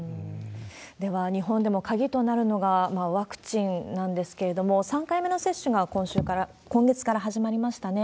では、日本でも鍵となるのがワクチンなんですけれども、３回目の接種が今月から始まりましたね。